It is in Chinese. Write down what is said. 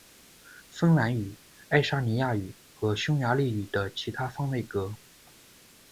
芬兰语，爱沙尼亚语和匈牙利语的其它方位格：